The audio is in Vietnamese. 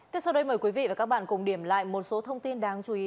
tiếp sau đây mời quý vị và các bạn cùng điểm lại một số thông tin đáng chú ý